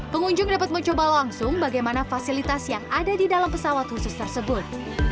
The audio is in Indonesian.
pengunjung dapat mencoba langsung bagaimana fasilitas yang ada di dalam pesawat khusus tersebut